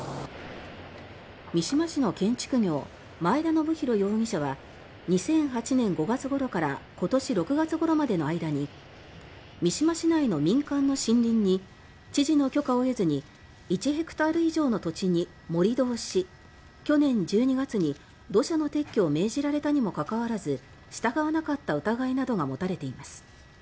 三島市の建築業前田延博容疑者は２００８年５月ごろから今年６月ごろまでの間に三島市内の民間の森林に知事の許可を得ずに１ヘクタール以上の土地に盛り土をし去年１２月に土砂の撤去を命じられたにもかかわらず従わなかった疑いなどが持たれています。